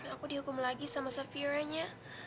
aku dihukum lagi sama servieranya